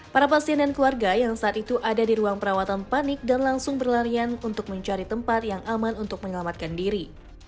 para pasien dan keluarga yang saat itu ada di ruang perawatan panik dan langsung berlarian untuk mencari tempat yang aman untuk menyelamatkan diri